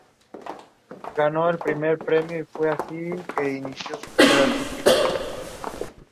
The club currently play at Westray Park in Cottesmore.